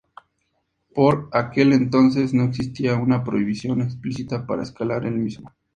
Por aquel entonces, no existía una prohibición explícita para escalar el mismo.